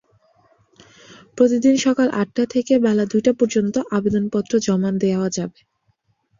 প্রতিদিন সকাল আটটা থেকে বেলা দুইটা পর্যন্ত আবেদনপত্র জমা দেওয়া যাবে।